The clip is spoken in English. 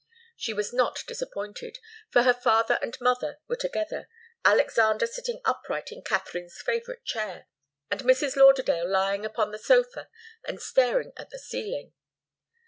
She was not disappointed, for her father and mother were together, Alexander sitting upright in Katharine's favourite chair, and Mrs. Lauderdale lying upon the sofa and staring at the ceiling.